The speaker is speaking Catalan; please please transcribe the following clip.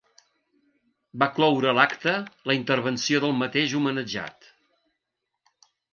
Va cloure l’acte la intervenció del mateix homenatjat.